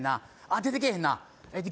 出てけえへんない